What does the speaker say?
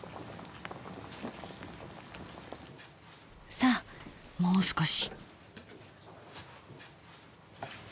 さあもう少し。